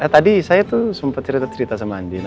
tadi saya tuh sempet cerita cerita sama andien